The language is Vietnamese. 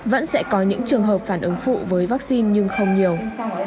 vẫn sẽ có những trường hợp phản ứng phụ với vaccine nhưng không nhiều